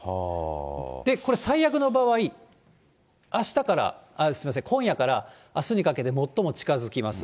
で、これ、最悪の場合、あしたから、すみません、今夜からあすにかけて最も近づきます。